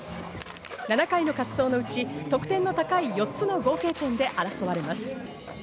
７回の滑走のうち、得点の高い４つの合計点で争われます。